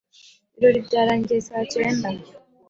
Ibirori byarangiye saa cyenda.